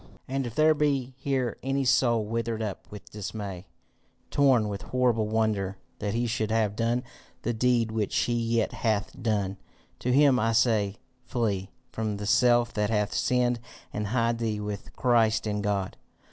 "And if there be here any soul withered up with dismay, torn with horrible wonder that he should have done the deed which he yet hath done, to him I say Flee from the self that hath sinned and hide thee with Christ in God.